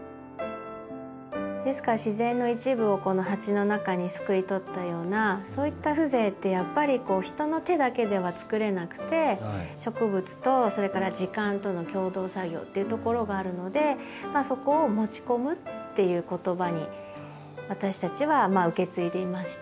ですから自然の一部をこの鉢の中にすくい取ったようなそういった風情ってやっぱり人の手だけではつくれなくて植物とそれから時間との共同作業っていうところがあるのでそこを持ち込むっていう言葉に私たちは受け継いでいまして。